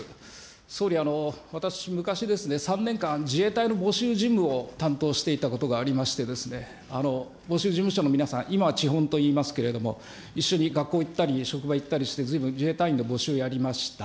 総理、私、昔ですね、３年間、自衛隊の募集事務を担当していたことがありましてですね、募集事務所の皆さん、今はといいますけれども、一緒に学校行ったり、職場行ったりして、ずいぶん自衛隊員の募集やりました。